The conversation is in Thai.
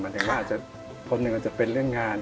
ความหนึ่งจะเป็นเรื่องงาน